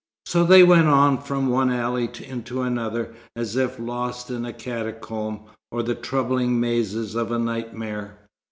So they went on from one alley into another, as if lost in a catacomb, or the troubling mazes of a nightmare.